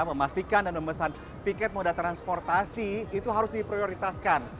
memastikan dan memesan tiket moda transportasi itu harus diprioritaskan